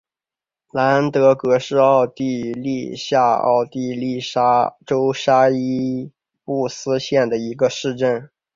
兰德格是奥地利下奥地利州沙伊布斯县的一个市镇。